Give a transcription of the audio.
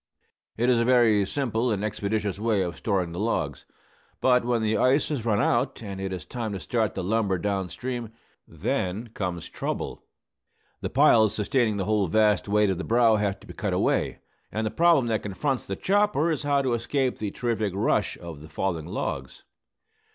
It is a very simple and expeditious way of storing the logs. But when the ice has run out, and it is time to start the lumber down stream, then comes trouble. The piles sustaining the whole vast weight of the brow have to be cut away, and the problem that confronts the chopper is how to escape the terrific rush of the falling logs.